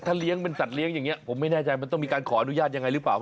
เลี้ยงเป็นสัตว์เลี้ยงอย่างนี้ผมไม่แน่ใจมันต้องมีการขออนุญาตยังไงหรือเปล่า